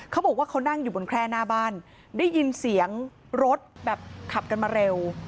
เขาบอกว่าเขานั่งอยู่บนแคร่หน้าบ้านได้ยินเสียงรถแบบขับกันมาเร็ว